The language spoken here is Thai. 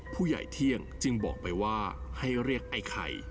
ผู้ใหญ่เที่ยงจึงบอกไปว่าให้เรียกไอ้ไข่